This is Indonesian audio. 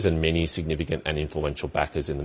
dan banyak pembantu yang signifikan dan influential di media